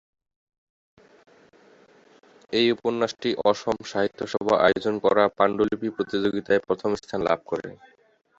এই উপন্যাসটি অসম সাহিত্য সভা আয়োজন করা পাণ্ডুলিপি প্রতিযোগীতায় প্রথম স্থান লাভ করে।